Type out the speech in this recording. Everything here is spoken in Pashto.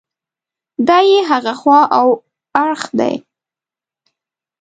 دا یې هغه خوا او اړخ دی.